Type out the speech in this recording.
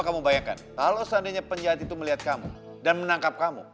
kalau seandainya penjahat itu melihat kamu dan menangkap kamu